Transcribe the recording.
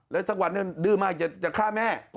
แล้วสักวันนั้นดื้อมากจะฆ่าแม่